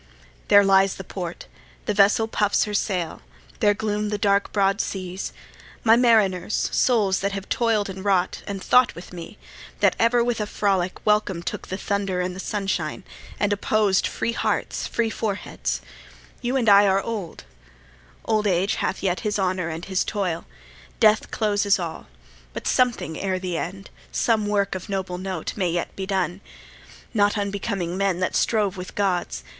There lies the port; the vessel puffs her sail: There gloom the dark, broad seas. My mariners, Souls that have toil'd, and wrought, and thought with me That ever with a frolic welcome took The thunder and the sunshine, and opposed Free hearts, free foreheads you and I are old; Old age hath yet his honour and his toil; Death closes all: but something ere the end, Some work of noble note, may yet be done, Not unbecoming men that strove with Gods.